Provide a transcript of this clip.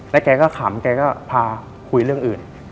แกก็ขำแกก็พาคุยเรื่องอื่น